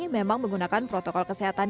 memang menggunakan protokol kesehatan